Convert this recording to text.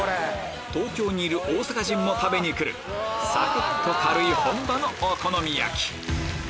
東京にいる大阪人も食べに来るさくっと軽い本場のお好み焼き